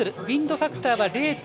ウインドファクターは０．０。